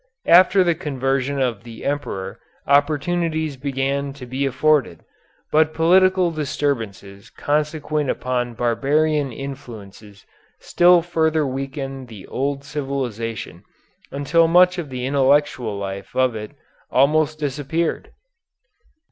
After the conversion of the Emperor opportunities began to be afforded, but political disturbances consequent upon barbarian influences still further weakened the old civilization until much of the intellectual life of it almost disappeared.